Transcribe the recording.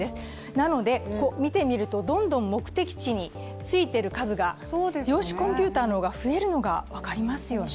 なので、見てみると、どんどん目的地に着いている数が量子コンピューターの方が増えるのが分かりますよね。